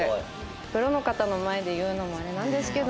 プロの方の前で言うのもあれなんですけども。